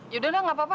yaudah enggak apa apa